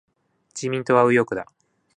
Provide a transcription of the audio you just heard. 自民党は右翼だ。